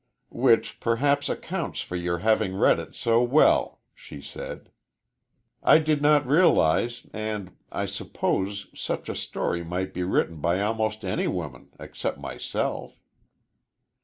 "Which perhaps accounts for your having read it so well," she said. "I did not realize, and I suppose such a story might be written by almost any woman except myself."